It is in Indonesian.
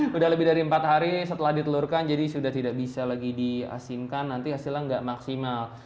sudah lebih dari empat hari setelah ditelurkan jadi sudah tidak bisa lagi diasinkan nanti hasilnya nggak maksimal